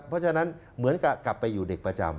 เพราะฉะนั้นเหมือนกับกลับไปอยู่เด็กประจำ